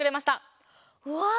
うわ！